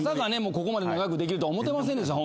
ここまで長くできるとは思ってませんでしたホントにね。